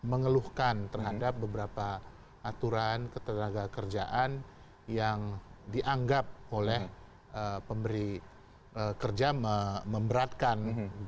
mengeluhkan terhadap beberapa aturan ketenaga kerjaan yang dianggap oleh pemberi kerja memberatkan